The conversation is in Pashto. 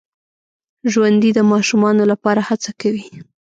ژوندي د ماشومانو لپاره هڅه کوي